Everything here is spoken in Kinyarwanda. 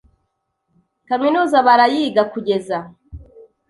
Kaminuza barayiga kugeza